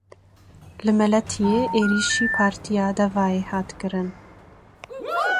Li Meletiyê êrişî Partiya Devayê hat kirin.